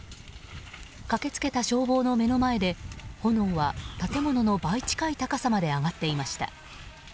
駆け付けた消防の目の前で炎は建物の倍近い高さまで上がっていました。